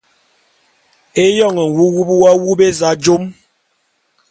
Éyoň nwuwup w’awup éza jom.